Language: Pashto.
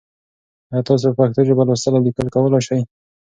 ایا تاسو په پښتو ژبه لوستل او لیکل کولای سئ؟